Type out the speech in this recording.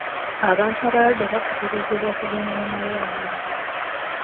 Abantu abalwadde bakubirizibwa okugenda mu malwaliro.